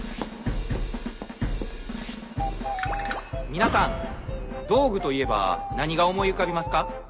皆さん道具といえば何が思い浮かびますか？